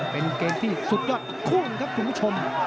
เป็นเกมที่สุดยอดคุงครับคุณผู้ชม